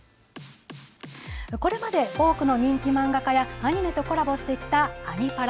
これまで多くの人気漫画家やアニメとコラボしてきた「アニ×パラ」。